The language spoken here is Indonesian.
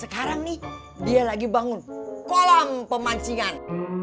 sekarang nih dia lagi bangun kolam pemancingan